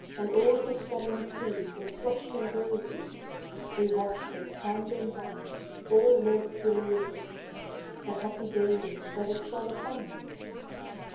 And all the southern sea was flushed and rosy, We watched it hand in hand, all loth to lose it — The happy daylight that had shone upon us